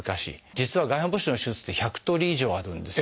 実は外反母趾の手術って１００通り以上あるんです。